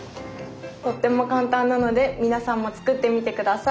とっても簡単なので皆さんも作ってみてください。